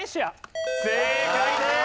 正解です！